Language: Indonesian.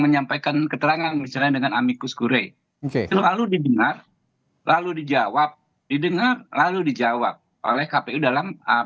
menyampaikan keterangan misalnya dengan amicus gure selalu di dengar lalu dijawab di dengar lalu dijawab oleh kpu dalam hal hal yang tersebut